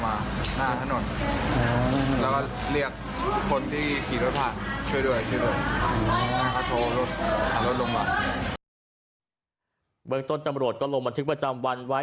ไว้ทะโน่นแล้วก็เรียกคนที่ขี่รถผ่านช่วยด้วยช่วยด้วยเขาโทรรถหารถลงไป